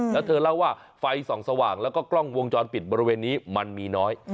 แล้วเธอเล่าว่าไฟส่องสว่างแล้วก็กล้องวงจรปิดบริเวณนี้มันมีน้อย